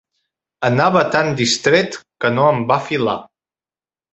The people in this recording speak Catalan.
Anava tan distret, que no em va filar.